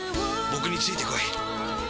僕についてこい。